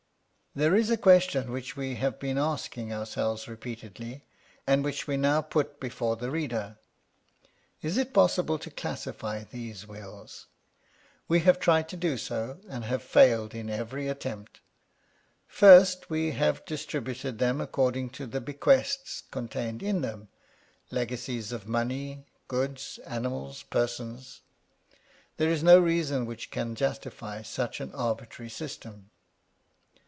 There is a question which we have been asking ourselves repeatedly, and which we now put before the reader. Is it possible to classify these wills? We have tried to do so, and have failed in every attempt. First, we have distributed them according to the bequests contained in them ;— legacies of money, goods, animals, persons. There is no reason which can justify such an arbitrary system.